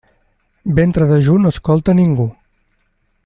Ventre dejú no escolta a ningú.